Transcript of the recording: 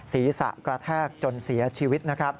ศีรษะกระแทกจนเสียชีวิต